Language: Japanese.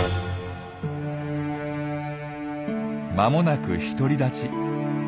間もなく独り立ち。